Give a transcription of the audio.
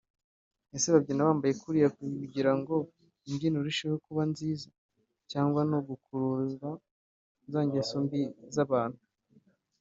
ese babyina bambaye kuriya kugira ngo imbyino irusheho kuba nziza cyangwa ni ugukurura za ngeso mbi z’abantu